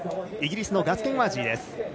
イギリスのガス・ケンワージー。